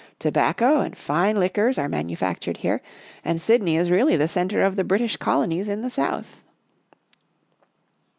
Tobacco and fine liquors are manufac tured here and Sydney is really the center of the British colonies in the South."